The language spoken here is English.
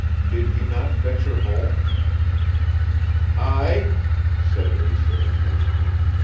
Did he not fetch her home?" "Aye," said Asa impatiently.